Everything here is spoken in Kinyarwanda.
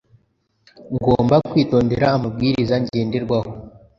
Ngomba kwitondera amabwiriza ngenderwaho.